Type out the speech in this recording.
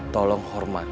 tadi kamu tahu bagaimana